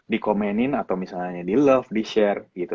di komenin atau misalnya di love di share gitu